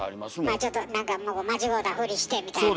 まあちょっと何か間違うたふりしてみたいなね。